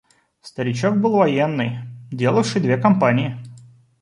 Старичок был военный, делавший две кампании.